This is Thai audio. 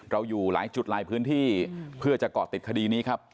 อยู่หลายจุดหลายพื้นที่เพื่อจะเกาะติดคดีนี้ครับ